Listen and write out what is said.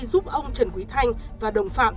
giúp ông trần quý thanh và đồng phạm